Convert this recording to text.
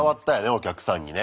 お客さんにね。